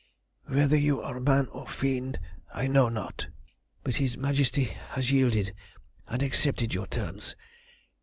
Whether you are man or fiend, I know not, but his Majesty has yielded and accepted your terms.